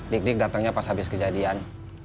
dik dik datangnya pas habis kejadian